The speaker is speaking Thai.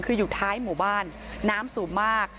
คืออยู่ท้ายหมู่บ้านน้ำสูงมาก